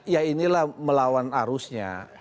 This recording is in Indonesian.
ya inilah melawan arusnya